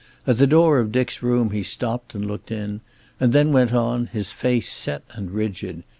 At the door of Dick's room he stopped and looked in, and then went on, his face set and rigid.